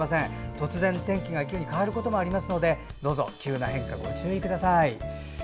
突然、天気が急に変わることもありますのでどうぞ、急な変化ご注意ください。